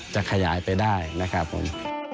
จะขยายไปได้นะครับผม